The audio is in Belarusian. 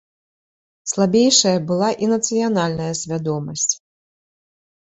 Слабейшая была і нацыянальна свядомасць.